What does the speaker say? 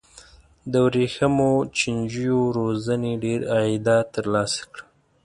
د ورېښمو چینجیو روزنې ډېر عایدات ترلاسه کړل.